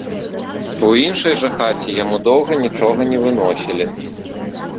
У іншай жа хаце яму доўга нічога не выносілі.